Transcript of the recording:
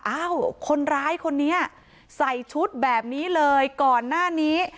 อ้าวคนร้ายคนนี้ใส่ชุดแบบนี้เลยก่อนหน้านี้